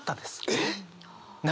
えっ？